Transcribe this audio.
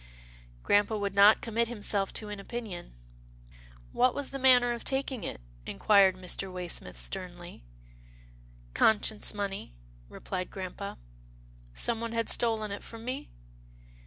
" Grampa would not commit himself to an opinion. " What was the manner of taking it? " inquired Mr. Waysmith, sternly. Conscience money," replied Grampa. " Someone had stolen it from me?